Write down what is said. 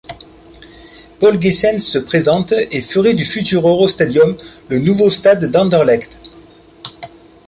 Paul Gheysens se présente et ferait du futur Eurostadium le nouveau stade d'Anderlecht.